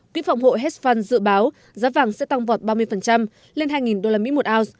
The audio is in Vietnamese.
quyết phòng hộ hedge fund dự báo giá vàng sẽ tăng vọt ba mươi lên hai usd một ảo